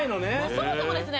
そもそもですね